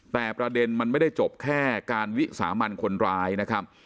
แต่ประเด็นมันไม่ได้จบแค่การวิสามันคนร้ายนะครับ